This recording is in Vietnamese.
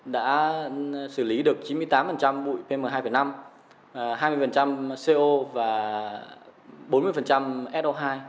đã xử lý được chín mươi tám bụi pm hai năm hai mươi co và bốn mươi so hai